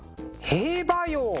「兵馬俑」！